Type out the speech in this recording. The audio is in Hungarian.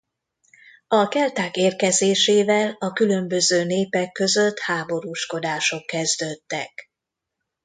A kelták érkezésével a különböző népek között háborúskodások kezdődtek.